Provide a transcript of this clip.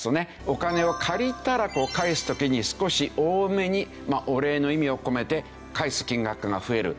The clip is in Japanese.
お金を借りたら返す時に少し多めにお礼の意味を込めて返す金額が増える。